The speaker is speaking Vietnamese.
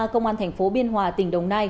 công an thành phố biên hòa tỉnh đồng nai